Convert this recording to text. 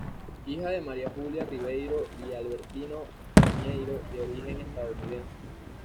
Hija de María Júlia Ribeiro y Albertino Pinheiro, de origen estadounidense.